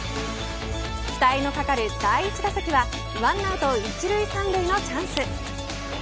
期待のかかる第１打席は１アウト１塁３塁のチャンス。